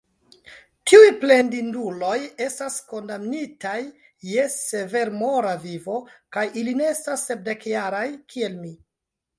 Tiuj plendinduloj estas kondamnitaj je severmora vivo, kaj ili ne estas sepdekjaraj, kiel mi.